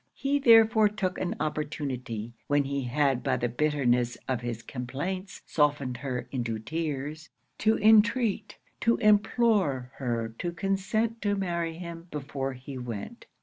He therefore took an opportunity, when he had by the bitterness of his complaints softened her into tears, to entreat, to implore her to consent to marry him before he went.